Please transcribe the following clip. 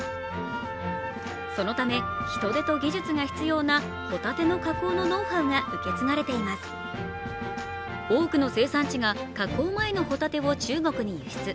そのため、人手と技術が必要なホタテの加工のノウハウが受け継がれています多くの生産地が加工前のホタテを中国に輸出。